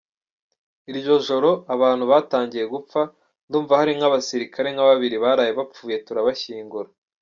Iryo joro abantu batangiye gupfa, ndumva hari nk’abasirikare nka babiri baraye bapfuye turabashyingura.